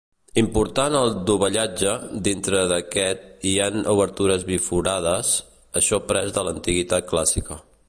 Important el dovellatge, dintre d'aquest hi han obertures biforades, això pres de l'antiguitat clàssica.